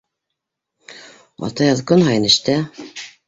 Атайығыҙ көн һайын эштә.